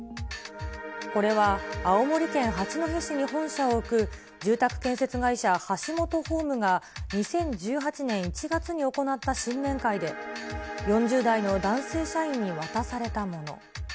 これは青森県八戸市に本社を置く住宅建設会社、ハシモトホームが２０１８年１月に行った新年会で、４０代の男性社員に渡されたもの。